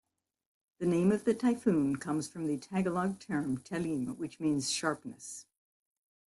The name of the typhoon comes from the Tagalog term "Talim", which means 'sharpness'.